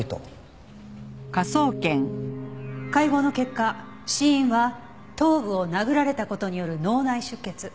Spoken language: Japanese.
解剖の結果死因は頭部を殴られた事による脳内出血。